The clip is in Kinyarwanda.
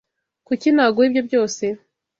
Kuki naguha ibyo byose?